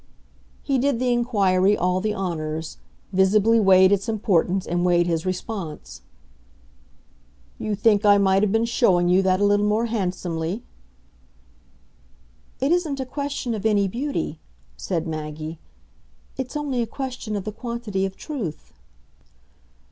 He did the inquiry all the honours visibly weighed its importance and weighed his response. "You think I might have been showing you that a little more handsomely?" "It isn't a question of any beauty," said Maggie; "it's only a question of the quantity of truth."